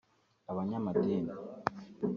abanyamadini